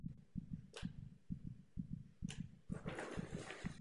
Je dodnes považována za jednu z nejlepších českých freeware her.